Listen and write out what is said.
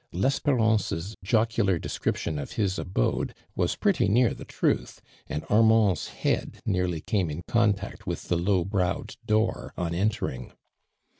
Lesperance' s jocular description of his abode was pretty near the truth, and Armand's head nearly came in contact with the low browed door on entering.